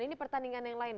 ini pertandingan yang lain